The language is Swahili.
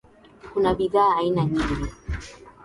Kuna bidhaa aina nyingi.